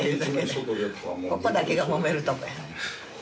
ここだけがもめるとこや。